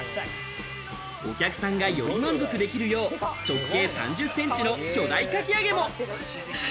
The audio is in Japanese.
お客さんがより満足できるよう、直径３０センチの巨大かき揚げも。